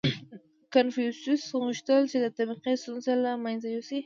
• کنفوسیوس غوښتل، چې د طبقې ستونزه له منځه یوسي.